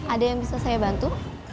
ada yang bisa saya bantu